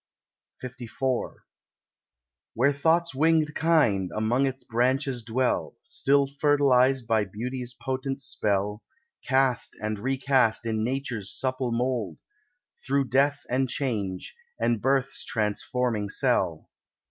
LIV Where Thought's winged kind among its branches dwell, Still fertilized by Beauty's potent spell; Cast and re cast in Nature's supple mould, Through death and change, and birth's transforming cell.